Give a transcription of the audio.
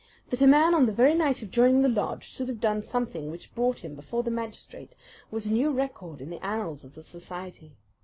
That a man on the very night of joining the lodge should have done something which brought him before the magistrate was a new record in the annals of the society.